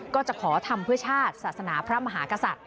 ก็จะขอธรรมพิชาติศาสนาพระมหากษัตริย์